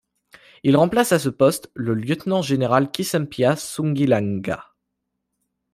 Il remplace à ce poste le Lieutenant Général Kisempia Sungilanga.